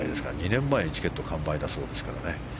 ２年前にチケット完売だそうですからね。